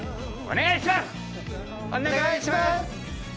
お願いします！